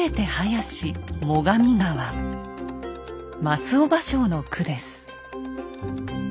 松尾芭蕉の句です。